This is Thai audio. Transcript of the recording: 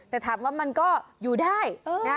แต่ถามว่ามันก็อยู่ได้นะ